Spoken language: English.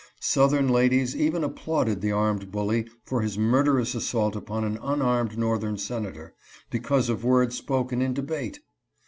Southern ladies even ap plauded the armed bully for his murderous assault upon an unarmed northern Senator, because of words spoken in debate